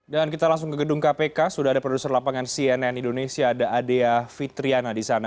dan kita langsung ke gedung kpk sudah ada produser lapangan cnn indonesia ada adea fitriana di sana